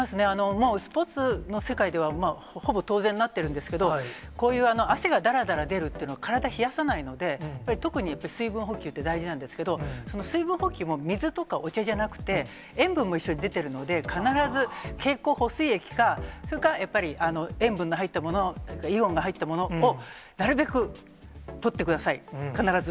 もうスポーツの世界では、ほぼ当然になってるんですけど、こういう汗がだらだら出るっていうのは、体冷やさないので、やっぱり特に水分補給って大事なんですけど、その水分補給も、水とかお茶じゃなくて、塩分も一緒に出てるので、必ず経口補水液か、それかやっぱり、塩分の入ったもの、それからイオンが入ったものを、なるべくとってください、必ず。